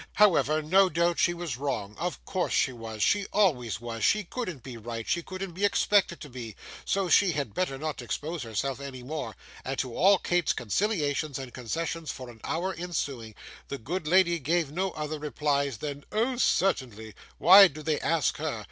However, no doubt she was wrong; of course she was; she always was, she couldn't be right, she couldn't be expected to be; so she had better not expose herself any more; and to all Kate's conciliations and concessions for an hour ensuing, the good lady gave no other replies than Oh, certainly, why did they ask HER?